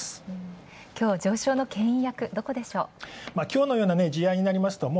今日、上昇のけん引役、どこでしょうか？